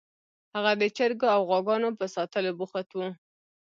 هغه د چرګو او غواګانو په ساتلو بوخت و